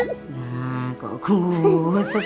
nah kok kusut